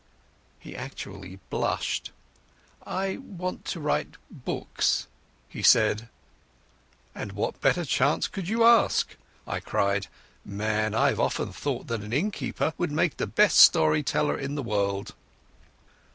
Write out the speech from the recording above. He actually blushed. "I want to write books," he said. "And what better chance could you ask?" I cried. "Man, I've often thought that an innkeeper would make the best story teller in the world."